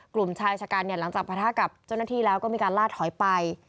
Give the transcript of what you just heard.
กลุ่มชายชะกันเนี่ยหลังจากประทะกับเจ้าหน้าที่แล้วก็มีการล่าถอยไป